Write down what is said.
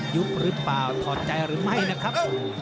ยุบหรือเปล่าถอดใจหรือไม่นะครับ